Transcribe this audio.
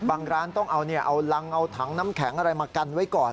บางร้านต้องเอารังเอาถังน้ำแข็งอะไรมากันไว้ก่อน